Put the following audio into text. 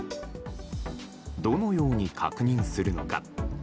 どのように確認するのか。